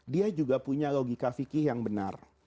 dia juga punya logika fikih yang benar